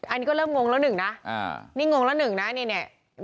อันนี้ก็เริ่มงงแล้วหนึ่งนะนี่งงแล้วหนึ่งนะเนี่ย